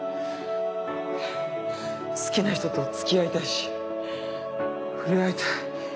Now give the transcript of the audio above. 好きな人とつきあいたいし触れ合いたい。